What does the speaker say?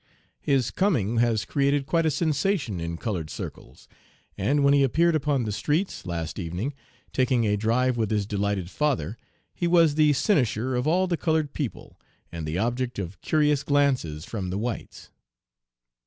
His coming has created quite a sensation in colored circles, and when he appeared upon the streets, last evening, taking a drive with his delighted father, he was the cynosure of all the colored people and the object of curious glances from the whites.